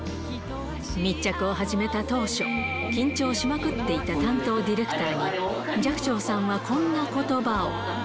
密着を始めた当初、緊張しまくっていた担当ディレクターに、寂聴さんはこんなことばを。